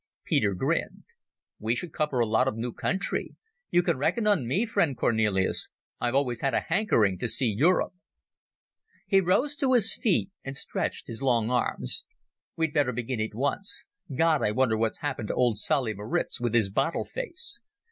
Peter grinned. "We should cover a lot of new country. You can reckon on me, friend Cornelis. I've always had a hankering to see Europe." He rose to his feet and stretched his long arms. "We'd better begin at once. God, I wonder what's happened to old Solly Maritz, with his bottle face?